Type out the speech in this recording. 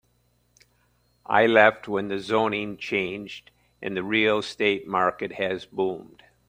I left when the zoning changed and the real estate market has boomed.